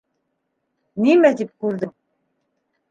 — Нимә тип күрҙең?